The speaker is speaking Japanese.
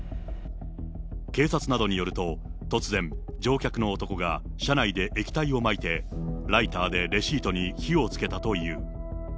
警察などによると、突然、乗客の男が車内で液体をまいて、ライターでレシートに火をつけたという。